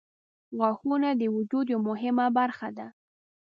• غاښونه د وجود یوه مهمه برخه ده.